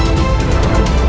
aku tidak mau